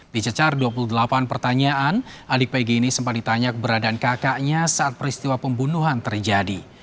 dicecar dua puluh delapan pertanyaan adik pg ini sempat ditanya keberadaan kakaknya saat peristiwa pembunuhan terjadi